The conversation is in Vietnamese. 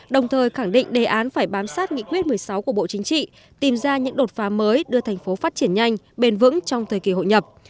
đồng thời khẳng định đề án phải bám sát nghị quyết một mươi sáu của bộ chính trị tìm ra những đột phá mới đưa thành phố phát triển nhanh bền vững trong thời kỳ hội nhập